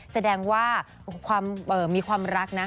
แสดงว่ามีความรักนะ